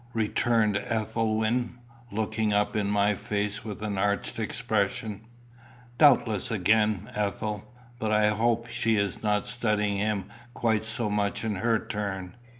returned Ethelwyn, looking up in my face with an arch expression. "Doubtless again, Ethel; but I hope she is not studying him quite so much in her turn.